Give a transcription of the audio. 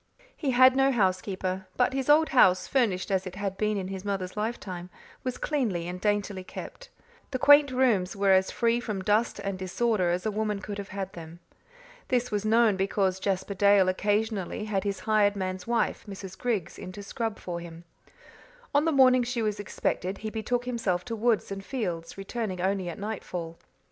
He had no housekeeper; but his old house, furnished as it had been in his mother's lifetime, was cleanly and daintily kept. The quaint rooms were as free from dust and disorder as a woman could have had them. This was known, because Jasper Dale occasionally had his hired man's wife, Mrs. Griggs, in to scrub for him. On the morning she was expected he betook himself to woods and fields, returning only at night fall.